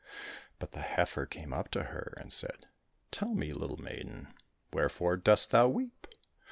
But the heifer came up to her and said, '' Tell me, little maiden, wherefore dost thou weep